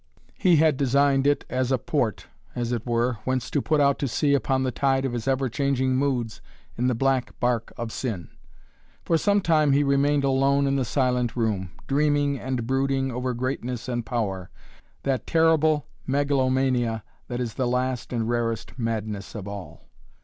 He had designed it as a port, as it were, whence to put out to sea upon the tide of his ever changing moods in the black barque of sin. For some time he remained alone in the silent room, dreaming and brooding over greatness and power, that terrible megalomania that is the last and rarest madness of all.